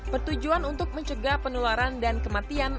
bertujuan untuk mencegah penularan dan kematian